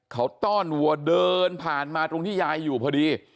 เขาต้อนวัวเดินผ่านมาตรงที่ยายอยู่พอดี